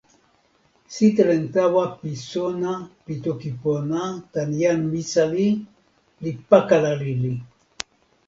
sitelen tawa pi sona pi toki pona tan jan Misali li pakala lili.